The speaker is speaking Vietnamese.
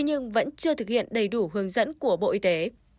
nhưng vẫn chưa thực hiện đầy đủ hướng dẫn của bộ y tế